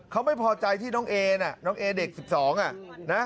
เขาไม่พอใจที่น้องเอน่ะน้องเอเด็ก๑๒อ่ะนะ